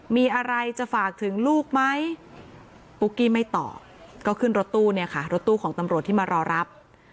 มีอะไรจะฝากถึงลูกมั้ย